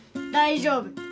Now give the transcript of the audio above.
大丈夫。